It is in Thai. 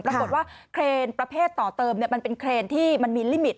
ปรากฏว่าเครนประเภทต่อเติมมันเป็นเครนที่มันมีลิมิต